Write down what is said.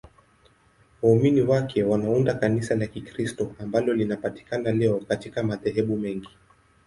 Waumini wake wanaunda Kanisa la Kikristo ambalo linapatikana leo katika madhehebu mengi.